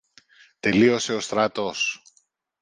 τελείωσε ο στρατός